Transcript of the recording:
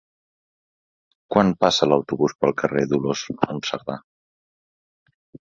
Quan passa l'autobús pel carrer Dolors Monserdà?